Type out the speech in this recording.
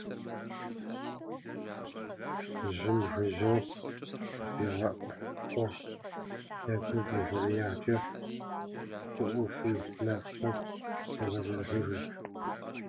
Жьым жыжьэу къыщигъэӀу къугъ дэгур ди хъуреягъкӀэ щыӀу фий макъхэм яхэзэрыхьыжырт.